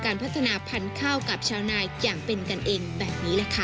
พัฒนาพันธุ์ข้าวกับชาวนายอย่างเป็นกันเองแบบนี้แหละค่ะ